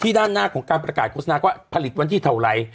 ด้านหน้าของการประกาศโฆษณาก็ผลิตวันที่เท่าไหร่